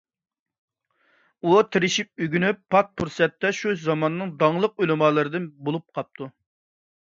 ئۇ تىرىشىپ ئۆگىنىپ، پات پۇرسەتتە شۇ زاماننىڭ داڭلىق ئۆلىمالىرىدىن بولۇپ قاپتۇ.